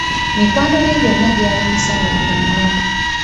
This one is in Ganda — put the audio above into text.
Mikwano gye gyonna gyali misanyufu nnyo.